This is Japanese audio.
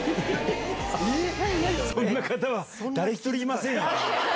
そんな方は誰一人いませんよ。